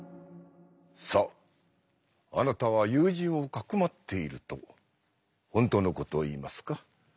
さああなたは友人をかくまっていると本当の事を言いますか？